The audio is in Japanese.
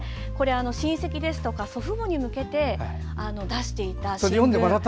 親戚ですとか祖父母に向けて出していた新聞。